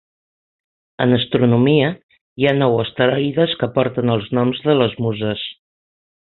En astronomia, hi ha nou asteroides que porten els noms de les muses.